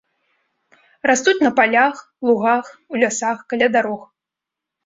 Растуць на палях, лугах, у лясах, каля дарог.